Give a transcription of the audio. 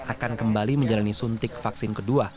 akan kembali menjalani suntik vaksin kedua